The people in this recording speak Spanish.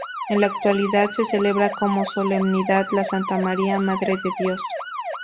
En la actualidad se celebra como Solemnidad de Santa María, Madre de Dios.